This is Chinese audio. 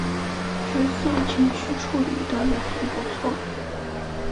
角色情绪处理的也很不错